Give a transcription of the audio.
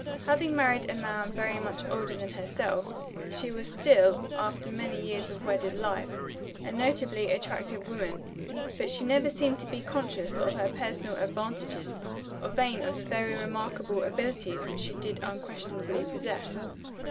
Having married a man very much older than herself, she was still (after many years of wedded life) a notably attractive woman. But she never seemed to be conscious of her personal advantages, or vain of the very remarkable abilities which she did unquestionably possess.